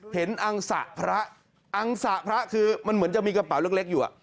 อังสะพระอังสะพระคือมันเหมือนจะมีกระเป๋าเล็กอยู่